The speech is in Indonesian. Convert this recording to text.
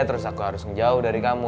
terus aku harus menjauh dari kamu